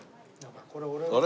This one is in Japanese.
あれ？